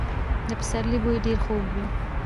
د پسرلي بوی ډېر خوږ وي.